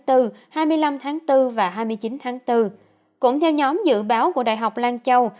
hai mươi năm tháng bốn và hai mươi chín tháng bốn cũng theo nhóm dự báo của đại học lan châu